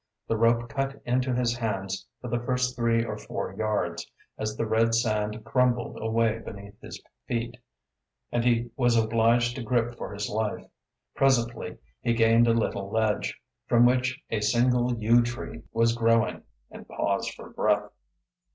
The rope cut into his hands for the first three or four yards, as the red sand crumbled away beneath his feet, and he was obliged to grip for his life. Presently he gained a little ledge, from which a single yew tree was growing, and paused for breath.